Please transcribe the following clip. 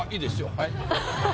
はい。